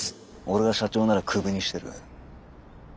俺が社長ならクビにしてる。